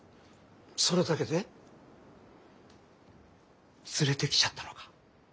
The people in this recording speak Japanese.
それだけで連れてきちゃったのか。